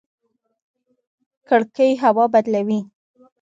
کړکۍ هوا بدلوي